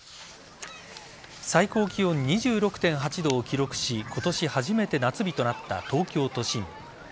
最高気温、２６．８度を記録し今年初めて夏日となった東京都心。